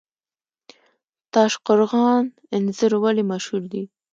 تاشقرغان انځر ولې مشهور دي؟